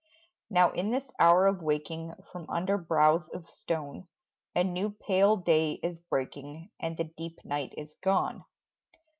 Now in this hour of waking From under brows of stone, A new pale day is breaking And the deep night is gone.